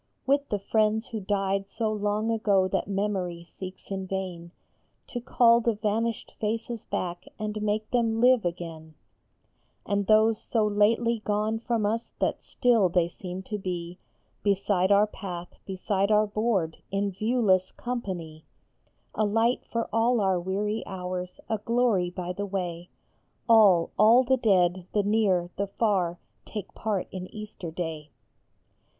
With the friends who died so long ago that memory seeks in vain To call the vanished faces back, and make them live again And those so lately gone from us that still they seem to be Beside our path, beside our board, in viewless company, A light for all our weary hours, a glory by the way, All, all the dead, the near, the far, take part in Easter day